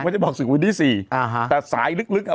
จะบอกศึกวันที่สี่อ่าฮะแต่สายลึกลึกอ่ะ